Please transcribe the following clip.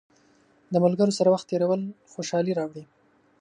د ملګرو سره وخت تېرول خوشحالي راوړي.